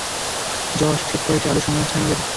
Josh, এসব করার কি আদৌ সময় আছে আমাদের?